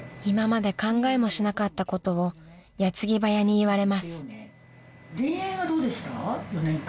［今まで考えもしなかったことを矢継ぎ早に言われます］